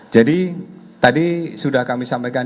tadi sudah kami sampaikan